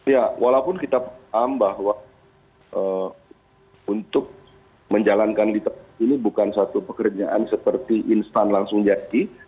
ya walaupun kita paham bahwa untuk menjalankan literasi ini bukan satu pekerjaan seperti instan langsung jadi